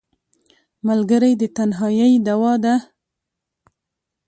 ملګری د تنهایۍ دواء ده